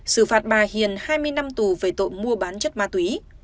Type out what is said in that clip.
xử phạt bà hiền hai mươi năm tù về tội mua bán chất ma túy